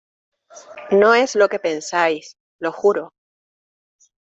No es lo que pensáis, lo juro.